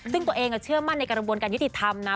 ซึ่งตัวเองเชื่อมั่นในกระบวนการยุติธรรมนะ